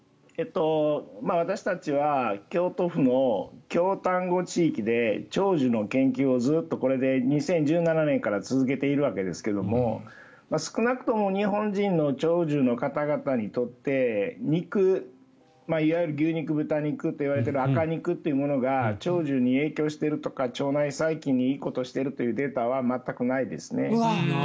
私たちは京都府の京丹後地域で長寿の研究をずっとこれで２０１７年から続けているわけですが少なくとも日本人の長寿の方々にとって肉いわゆる牛肉、豚肉といわれている赤肉というものが長寿に影響しているとか腸内細菌にいいことをしているというデータは全くないですね。